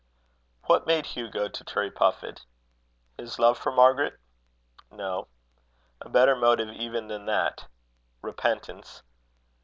What made Hugh go to Turriepuffit? His love to Margaret? No. A better motive even than that: Repentance.